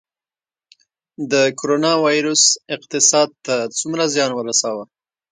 د کرونا ویروس اقتصاد ته څومره زیان ورساوه؟